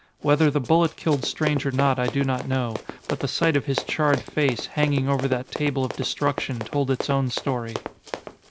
Whether the bullet killed Strange or not, I do not know: but the sight of his charred face, hanging over that table of destruction, told its own story.